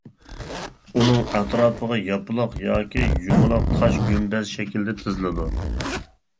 ئۇنىڭ ئەتراپىغا ياپىلاق ياكى يۇمىلاق تاش گۈمبەز شەكلىدە تىزىلىدۇ.